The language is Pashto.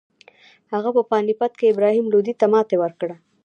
هغه په پاني پت کې ابراهیم لودي ته ماتې ورکړه.